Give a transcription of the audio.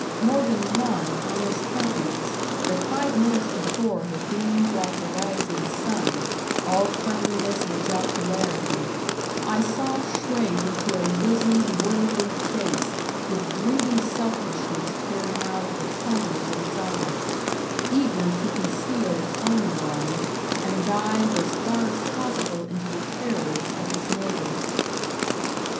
More than one honest countenance that five minutes before had beamed like the rising sun, all friendliness and jocularity, I saw shrink into a wizened, worldly face with greedy selfishness peering out of the corners of its eyes, eager to conceal its own alarms and dive as far as possible into the terrors of its neighbours.